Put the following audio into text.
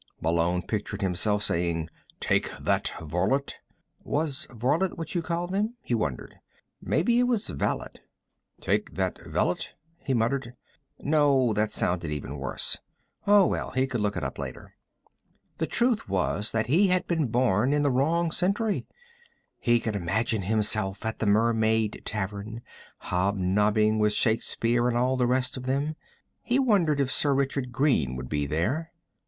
Malone pictured himself saying: "Take that, varlet." Was varlet what you called them? he wondered. Maybe it was valet. "Take that, valet," he muttered. No, that sounded even worse. Oh, well, he could look it up later. The truth was that he had been born in the wrong century. He could imagine himself at the Mermaid Tavern, hob nobbing with Shakespeare and all the rest of them. He wondered if Sir Richard Greene would be there.